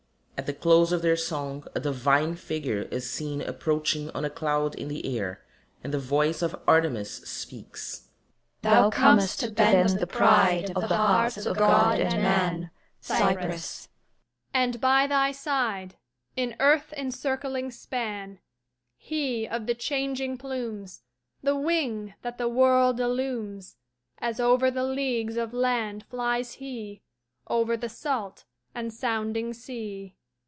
At the close of their song a Divine Figure is seen approaching on a cloud in the air and the voice of_ ARTEMIS speaks.] CHORUS Thou comest to bend the pride Of the hearts of God and man, Cypris; and by thy side, In earth encircling span, He of the changing plumes, The Wing that the world illumes, As over the leagues of land flies he, Over the salt and sounding sea.